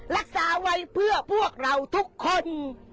รักษาไว้เพื่อพวกเราทุกคน